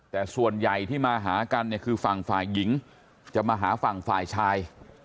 แต่ส่วนใหญ่ที่มาหากันเนี่ยคือฝั่งฝ่ายหญิงจะมาหาฝั่งฝ่ายชาย